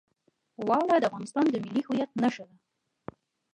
واوره د افغانستان د ملي هویت نښه ده.